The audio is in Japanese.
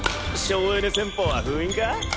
省エネ戦法は封印か？